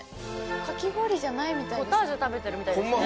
かき氷じゃないみたいですね。